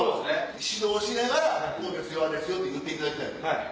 指導しながらこうですああです言っていただきたい。